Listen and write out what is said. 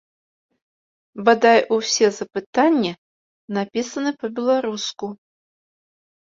Бадай усе запытанні напісаны па-беларуску.